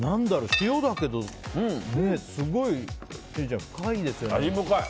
塩だけど、すごい千里ちゃん、深いですよね。